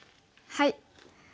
はい。